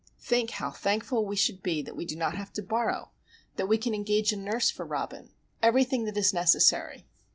Think how thankful we should be that we do not have to borrow, that we can engage a nurse for Robin,—everything that is necessary.